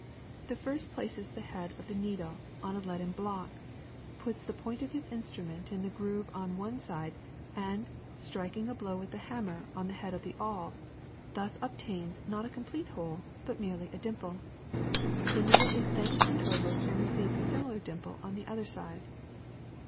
The first places the head of the needle on a leaden block, puts the point of his instrument in the groove on one side, and, striking a blow with the hammer on the jiead of the awl, thus obtains not a complete hole but merely a dimple. The needle is then turned over and receives a similar dimple on the other side.